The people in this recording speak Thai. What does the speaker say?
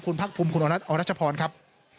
คุณพักภูมิคุณรัฐอรัชพรครับ